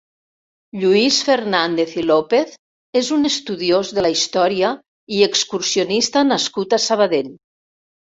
Lluís Fernàndez i López és un estudiós de la història i excursionista nascut a Sabadell.